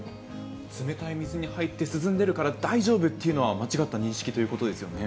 冷たい水に入って涼んでるから大丈夫っていうのは、間違った認識ということですよね。